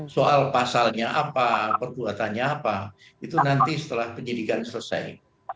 soal pasalnya apa perbuatannya apa itu nanti setelah penyidikan selesai